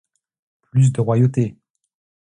Plus de royauté !